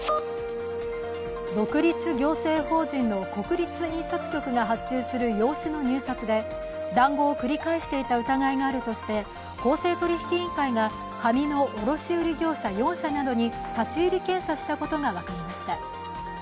独立行政法人の国立印刷局が発注する用紙の入札で談合を繰り返していた疑いがあるとして、公正取引委員会が紙の卸売業者４社などに立入検査したことが分かりました。